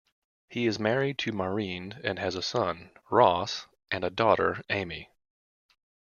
He is married to Maureen and has a son, Ross and a daughter, Amy.